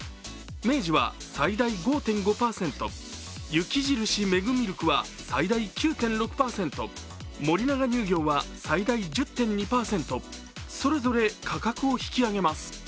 明治は最大５．５％、雪印メグミルクは最大９．６％、森永乳業は最大１０．２％、それぞれ価格を引き上げます。